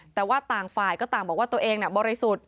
แต่ว่าต่างฝ่ายก็ต่างบอกว่าตัวเองบริสุทธิ์